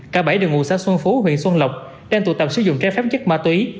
cả bảy đều ngụ xã xuân phú huyện xuân lộc đang tụ tập sử dụng trái phép chất ma túy